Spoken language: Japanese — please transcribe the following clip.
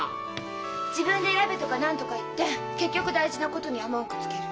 自分で選べとか何とか言って結局大事なことには文句つける。